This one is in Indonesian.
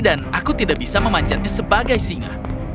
dan aku tidak bisa memancatnya sebagai singa